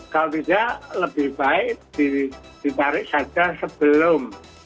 kalau tidak lebih baik ditarik saja sebelum